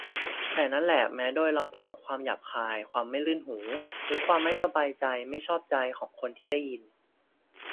แต่นั่นแหละ แม้โดยลำพังความหยาบคาย ความไม่รื่นหู หรือความไม่สบายใจไม่ชอบใจของคนที่ได้ยิน